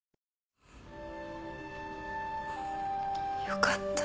よかった。